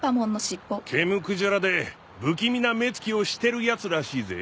毛むくじゃらで不気味な目つきをしてるやつらしいぜ。